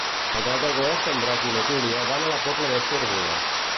El deu d'agost en Drac i na Júlia van a la Pobla de Cérvoles.